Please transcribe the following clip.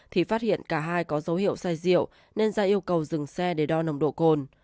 thì phát hiện cả hai có dấu hiệu sai rượu nên ra yêu cầu dừng xe để đo nồng độ cồn